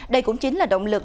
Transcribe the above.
đây cũng chính là động lực